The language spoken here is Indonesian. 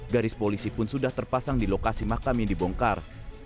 garis polisi pun sudah terpasang di lokasi makam yang dibongkar